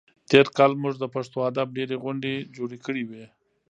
تېر کال موږ د پښتو ادب ډېرې غونډې جوړې کړې وې.